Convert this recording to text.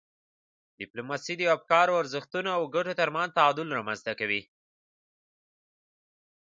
ډیپلوماسي د افکارو، ارزښتونو او ګټو ترمنځ تعادل رامنځته کوي.